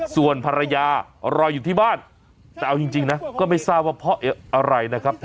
ส่วนภรรยารออยู่ที่บ้านแต่เอาจริงนะก็ไม่ทราบว่าเพราะอะไรนะครับ